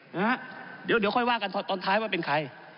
เดี๋ยวค่อยว่ากันตอนท้ายว่าเป็นใคร